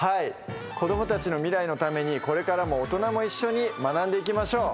子供たちの未来のためにこれからも大人も一緒に学んでいきましょう。